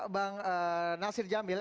bang nasir jamil